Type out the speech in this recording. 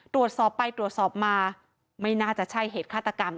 ตรวจสอบไปตรวจสอบมาไม่น่าจะใช่เหตุฆาตกรรม